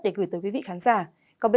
để gửi tới quý vị khán giả